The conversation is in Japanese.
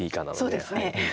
そうですね。